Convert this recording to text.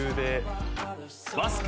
バスケ